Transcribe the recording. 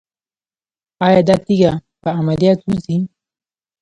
ایا دا تیږه په عملیات وځي؟